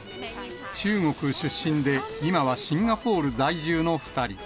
中国出身で、今はシンガポール在住の２人。